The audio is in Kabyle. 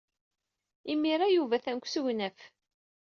Imir-a, Yuba atan deg usegnaf.